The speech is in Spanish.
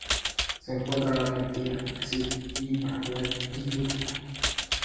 Se encuentra en Argentina, Brasil y Paraguay y Uruguay.